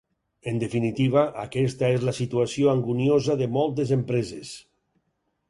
En definitiva, aquesta és la situació anguniosa de moltes empreses.